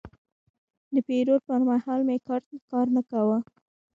د پیرود پر مهال مې کارت کار نه کاوه.